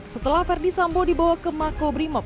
setelah ferdi sambo dibawa ke mako brimob